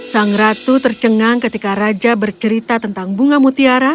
sang ratu tercengang ketika raja bercerita tentang bunga mutiara